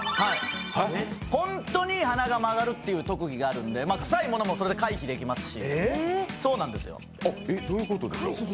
本当に鼻が曲がるという特技があるので臭いものもそれで回避できますし。